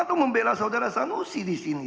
atau membela saudara sanusi disini